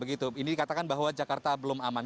ini dikatakan bahwa jakarta belum aman